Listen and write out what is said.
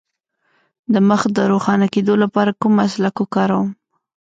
د مخ د روښانه کیدو لپاره کوم ماسک وکاروم؟